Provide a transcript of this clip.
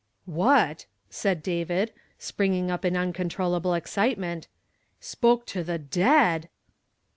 " "What," said David, springing up in uncour trollable excitement, "spoke to the dead!''